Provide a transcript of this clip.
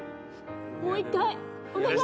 もう１回お願い！